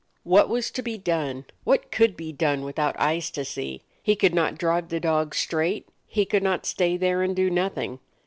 What was to be done? What could be done without eyes to see? He could not drive the dogs straight ; he could not stay there and do nothing.